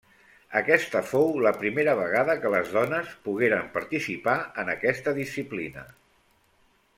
Aquesta fou la primera vegada que les dones pogueren participar en aquesta disciplina.